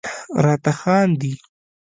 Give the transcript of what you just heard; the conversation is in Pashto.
راته خاندي..